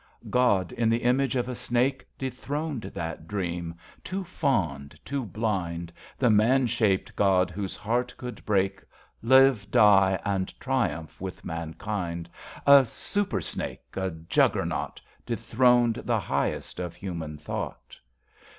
B 1 PRELUDE God in the image of a snake Dethroned that dream, too fond, too blind, The man shaped God whose heart could break, Live, die and triumph with mankind ; A Super snake, a Juggernaut, Dethroned the Highest of human thought.